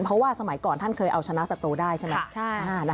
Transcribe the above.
เพราะว่าสมัยก่อนท่านเคยเอาชนะศัตรูได้ใช่ไหม